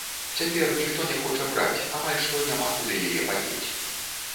Цяпер ніхто не хоча браць, амаль што няма куды яе падзець.